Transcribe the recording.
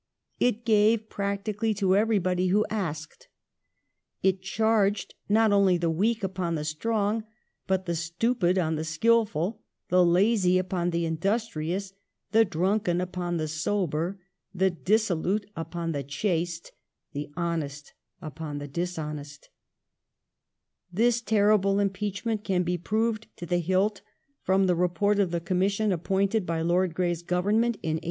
It gave practically to everybody who asked. It charged not only the weak upon the strong, but the stupid on the skilful, the lazy upon the industrious, the drunkep^ upon the sober, the dissolute upon the chaste, the honest upon the dishonest," ^ This terrible impeachment can be proved to the hilt from the Report of the Commission appointed by Lord Grey's Government in 1832."